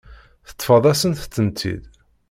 Teṭṭfeḍ-asent-tent-id.